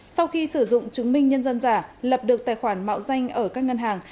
sau khi sử dụng chứng minh nhân dân giả lập được tài khoản mạo danh ở các ngân hàng